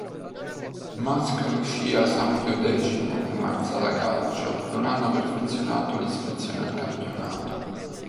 Mascalucia San Pio X e Marsala Calcio non hanno perfezionato l'iscrizione al campionato.